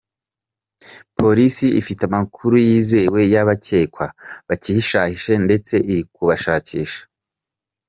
Polisi ifite amakuru yizewe y’abakekwa bacyihishahishe ndetse iri kubashakisha.